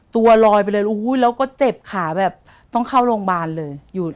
ตัวลอยไปเลยแล้วก็เจ็บขาแบบต้องเข้าโรงพยาบาลเลย